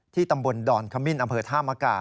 ที่ตำบลดอนคมิ้นอำเภอธามาก่า